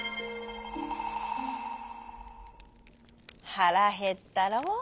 「はらへったろう。